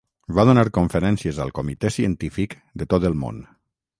Va donar conferències al comitè científic de tot el món.